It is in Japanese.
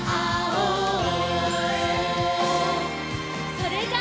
それじゃあ。